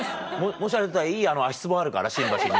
もしあれだったらいい足ツボあるから新橋に。